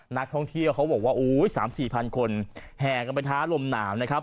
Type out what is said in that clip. นักท่องเที่ยวเขาบอกว่าโอ้ย๓๔พันคนแห่กันไปท้าลมหนาวนะครับ